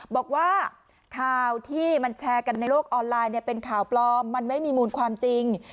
บอกว่าข่าวที่มันแชร์กันในโลกออนไลน์เนี่ยเป็นข่าวปลอมมันไม่มีมูลความจริง